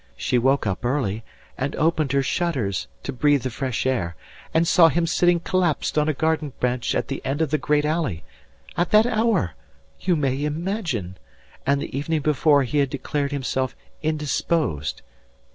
She woke up early, and opened her shutters, to breathe the fresh air, and saw him sitting collapsed on a garden bench at the end of the great alley. At that hour you may imagine! And the evening before he had declared himself indisposed.